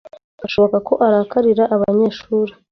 Umwarimu birashoboka ko arakarira abanyeshuri.